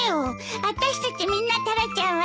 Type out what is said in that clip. あたしたちみんなタラちゃんは。